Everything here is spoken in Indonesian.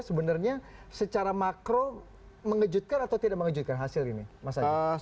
sebenarnya secara makro mengejutkan atau tidak mengejutkan hasil ini mas adi